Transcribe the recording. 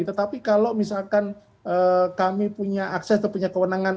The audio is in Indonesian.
tetapi kalau misalkan kami punya akses atau punya kewenangan